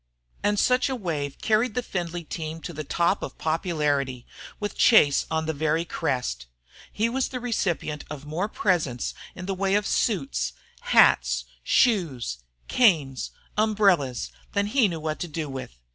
And such a wave carried the Findlay team to the top of popularity, with Chase on the very crest. He was the recipient of more presents in the way of suits, hats, shoes, canes, umbrellas, than he knew what to do with.